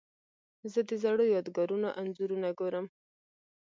زه د زړو یادګارونو انځورونه ګورم.